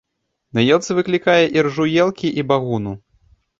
На елцы выклікае іржу елкі і багуну.